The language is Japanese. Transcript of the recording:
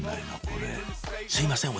これすいません